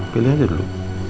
pilih aja dulu